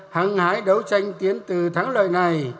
hăng hái đấu tranh tiến từ thắng lợi này